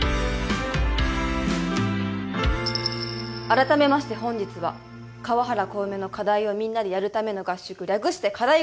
改めまして本日は川原小梅の課題をみんなでやるための合宿略して課題